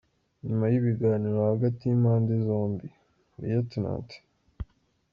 Nyuma y’ibiganiro hagati y’impande zombi, Lt .